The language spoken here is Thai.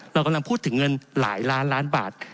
เรากำลังพูดถึงเงินหลายล้านล้านบาท